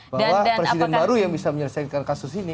bahwa presiden baru yang bisa menyelesaikan kasus ini